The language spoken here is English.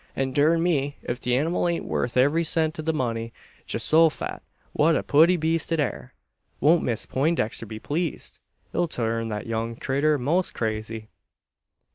and durn me, ef the anymal ain't worth every cent o' the money! Geehosofat! what a putty beest it air! Won't Miss Peintdexter be pleezed! It'll turn that young critter 'most crazy!"